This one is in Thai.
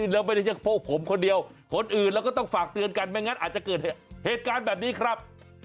แล้วไม่ใช่พวกผมคนเดียวคนอื่นเราก็ต้องฝากเตือนกันไม่งั้นอาจจะเกิดเหตุการณ์แบบนี้ครับ